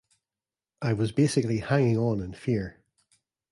I was basically hanging on in fear.